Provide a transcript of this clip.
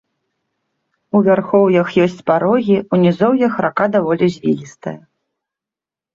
У вярхоўях ёсць парогі, у нізоўях рака даволі звілістая.